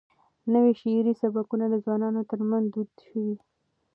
نوي شعري سبکونه د ځوانانو ترمنځ دود شوي.